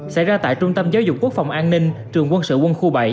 xảy ra tại trung tâm giáo dục quốc phòng an ninh trường quân sự quân khu bảy